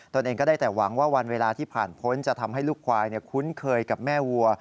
ตัวเองก็ได้แต่หวังว่าวันเวลาที่ผ่านพ้นจะทำให้ลูกควายคุ้นเคยกับแม่วัว